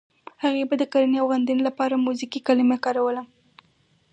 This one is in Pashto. هغې به د کږنې او غندنې لپاره موزیګي کلمه کاروله.